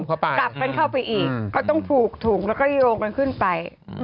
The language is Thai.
กลับกันเข้าไปอีกก็ต้องผูกถุงแล้วก็โยงกันขึ้นไป